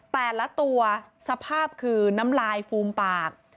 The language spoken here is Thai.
แต่ละตัวสภาพคือน้ำลายฟูมปาก